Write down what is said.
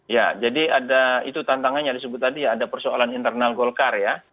ya jadi ada itu tantangannya disebut tadi ya ada persoalan internal golkar ya